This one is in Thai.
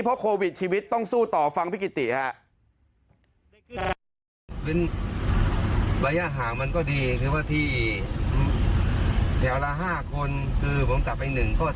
เพราะโควิดชีวิตต้องสู้ต่อฟังพี่กิติครับ